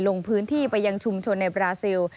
ลงพื้นที่ไปยังชุมชนในบราซิล